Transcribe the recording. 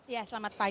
ya selamat pagi